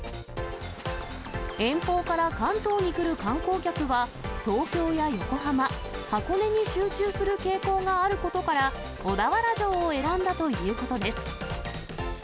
遠方から関東に来る観光客は、東京や横浜、箱根に集中する傾向があることから、小田原城を選んだということです。